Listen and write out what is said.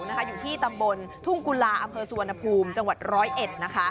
อยู่ที่ตำบลทุ่งกุลราอสุวรรณภูมิจังหวัด๑๐๑